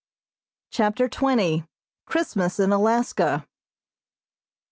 CHAPTER XX. CHRISTMAS IN ALASKA.